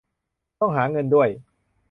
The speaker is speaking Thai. ต้องหาเงินด้วย